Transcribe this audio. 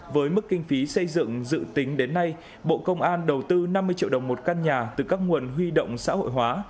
với mức kinh phí xây dựng dự tính đến nay bộ công an đầu tư năm mươi triệu đồng một căn nhà từ các nguồn huy động xã hội hóa